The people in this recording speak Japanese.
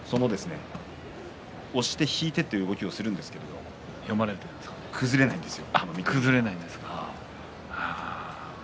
押して引いてという動きをするんですけど崩れないんですよ。